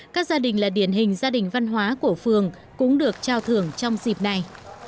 các gia đình là điển hình gia đình văn hóa của phường cũng được trao thưởng trong dịp này